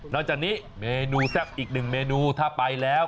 จากนี้เมนูแซ่บอีกหนึ่งเมนูถ้าไปแล้ว